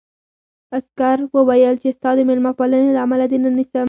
عسکر وویل چې ستا د مېلمه پالنې له امله دې نه نیسم